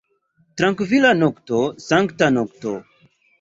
Trankvila nokto, sankta nokto!